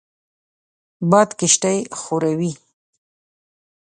باد کښتۍ ښوروي